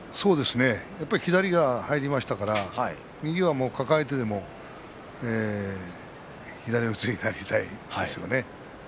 左が入りましたから右はもう抱えてでも左四つになりたいでしょうね。